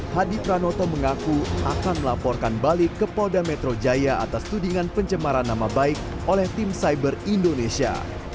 hadi pranoto mengaku akan melaporkan balik ke polda metro jaya atas tudingan pencemaran nama baik oleh tim cyber indonesia